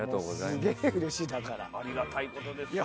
ありがたいことですよ。